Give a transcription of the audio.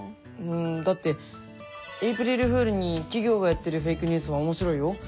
うんだってエイプリルフールに企業がやってるフェイクニュースも面白いよ。